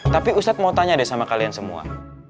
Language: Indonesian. tapi ustadz mau tanya deh sama kalian semua